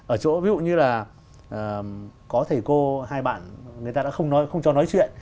ở chỗ ví dụ như là có thầy cô hai bạn người ta đã không cho nói chuyện